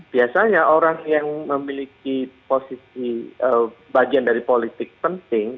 biasanya orang yang memiliki posisi bagian dari politik penting